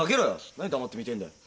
何黙って見てんだよ。